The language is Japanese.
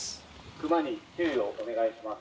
クマに注意をお願いします。